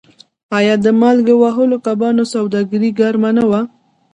آیا د مالګې وهلو کبانو سوداګري ګرمه نه وه؟